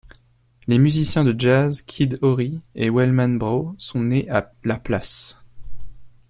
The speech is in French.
Les musiciens de jazz Kid Ory et Wellman Braud sont nés à LaPlace.